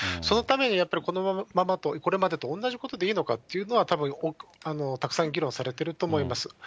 そのために、やっぱりこれまでと同じことでいいのかというのは、たぶんたくさん議論されていると思います。